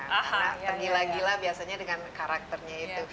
karena tergila gila biasanya dengan karakternya itu